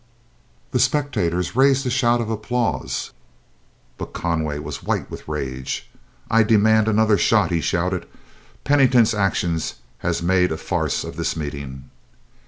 The spectators raised a shout of applause; but Conway was white with rage. "I demand another shot," he shouted, "Pennington's action has made a farce of this meeting."